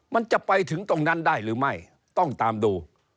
มันจะไปถึงตรงนั้นได้หรือไม่ต้องตามดู